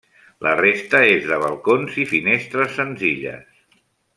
La resta és de balcons i finestres senzilles.